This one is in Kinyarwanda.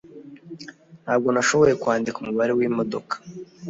Ntabwo nashoboye kwandika umubare wimodoka.